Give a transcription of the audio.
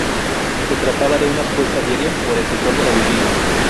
Se trataba de una apuesta diaria por el sector de la vivienda.